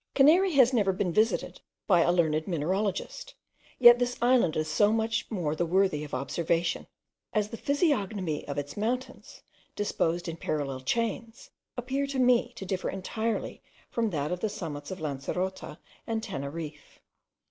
Canary has never been visited by a learned mineralogist; yet this island is so much the more worthy of observation, as the physiognomy of its mountains, disposed in parallel chains, appeared to me to differ entirely from that of the summits of Lancerota and Teneriffe.